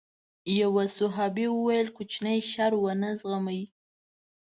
يو صحابي وويل کوچنی شر ونه زغمي.